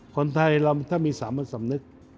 คนไทยเราถ้ามีสามัญสำนึก